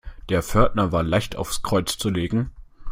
Der Pförtner war leicht aufs Kreuz zu legen.